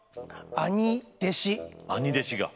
兄弟子が？